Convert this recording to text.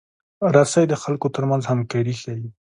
رسۍ د خلکو ترمنځ همکاري ښيي.